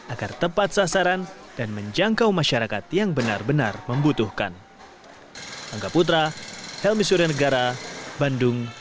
agar tepat sasaran dan menjangkau masyarakat yang benar benar membutuhkan